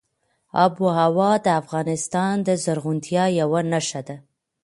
آب وهوا د افغانستان د زرغونتیا یوه نښه ده.